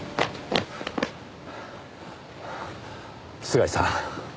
菅井さん。